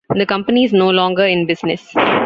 The company is no longer in business.